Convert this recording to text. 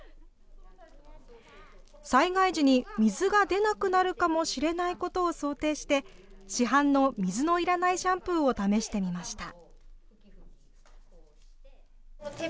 災害時に水が出なくなるかもしれないことを想定して、市販の水のいらないシャンプーを試してみました。